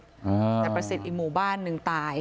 แต่ประสิทธิ์อีกหมู่บ้านหนึ่งตาย